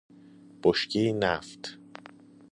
بشکه نفت